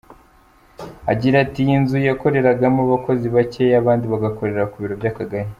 Agira ati “Iyi nzu yakoreragamo abakozi bakeya abandi bagakorera ku biro by’akagari.